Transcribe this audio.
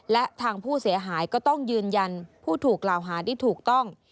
และทางผู้เสียหายก็ต้องยืนยันผู้ถูกกล่าวหาที่ถูกต้อง